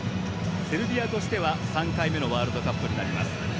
セルビアとしては３回目のワールドカップになります。